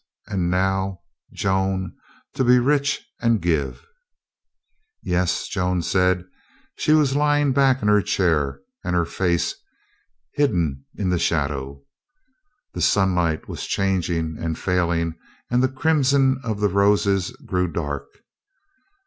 And now — Joan, to be rich and give !" "Yes," Joan said. She was lying back in her chair and her face hidden in the shadow. The sunlight was changing and failing and the crimson of the roses grew dark.